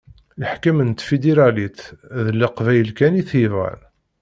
Leḥkem n tfidiralit d Leqbayel kan i t-yebɣan.